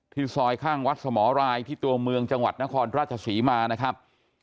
ซอยข้างวัดสมรรายที่ตัวเมืองจังหวัดนครราชศรีมานะครับ